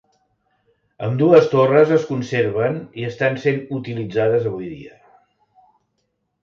Ambdues torres es conserven i estan sent utilitzades avui dia.